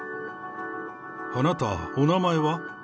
あなた、お名前は？